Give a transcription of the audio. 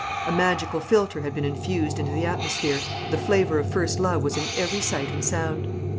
A magical philter had been infused into the atmosphere: the flavour of first love was in every sight and sound.